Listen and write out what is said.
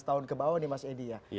lima belas tahun ke bawah nih mas edi ya